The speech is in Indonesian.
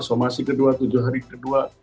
somasi kedua tujuh hari kedua